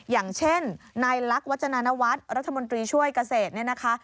อย่างเช่นนายลักษณณวัฒนาวัฒน์รัฐมนตรีช่วยเกษตร